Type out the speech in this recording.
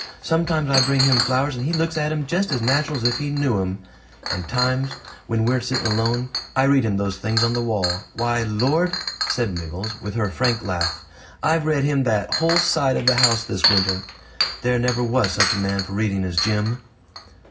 Sometimes I bring him flowers, and he looks at 'em just as natural as if he knew 'em; and times, when we're sitting alone, I read him those things on the wall. Why, Lord!" said Miggles, with her frank laugh, "I've read him that whole side of the house this winter. There never was such a man for reading as Jim."